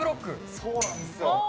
そうなんですよ。